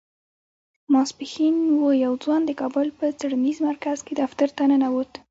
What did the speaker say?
ماسپښين و يو ځوان د کابل په څېړنيز مرکز کې دفتر ته ننوت.